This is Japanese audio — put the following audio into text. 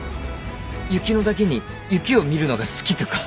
雪乃だけに雪を見るのが好きとか？